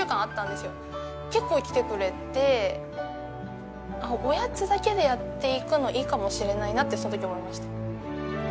結構来てくれておやつだけでやっていくのいいかもしれないなってその時思いました。